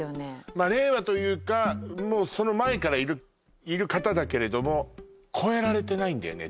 まあ令和というかもうその前からいる方だけれども超えられてないんだよね